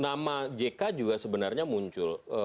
nama jk juga sebenarnya muncul